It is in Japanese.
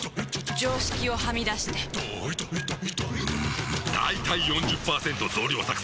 常識をはみ出してんだいたい ４０％ 増量作戦！